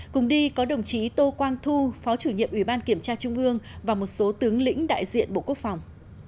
cùng đi có đồng chí tô quang thu phó chủ nhiệm ủy ban kiểm tra trung ương và một số tướng lĩnh đại diện bộ quốc phòng